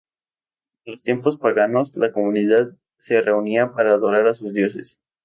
En los tiempos paganos, la comunidad se reunía para adorar a sus dioses.